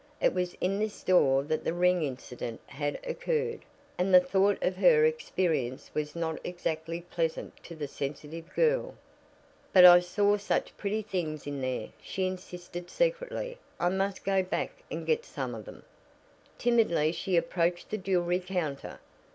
It was in this store that the ring incident had occurred, and the thought of her experience was not exactly pleasant to the sensitive girl. "But I saw such pretty things in there," she insisted secretly. "I must go back and get some of them." Timidly she approached the jewelry counter.